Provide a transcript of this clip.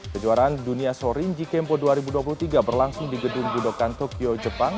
kejuaraan dunia shorinji kempo dua ribu dua puluh tiga berlangsung di gedung budokan tokyo jepang